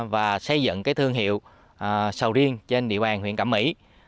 và xây dựng thương hiệu sầu riêng trên địa bàn huyện cẩm mỹ